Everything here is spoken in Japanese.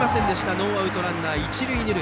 ノーアウトランナー、一塁二塁。